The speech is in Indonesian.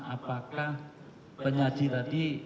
apakah penyaji tadi